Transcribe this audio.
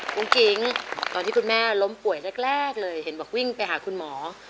คุณกิ๊งตอนที่คุณแม่ล้มป่วยแรกเลยเห็นบอกวิ่งไปหาคุณหมอ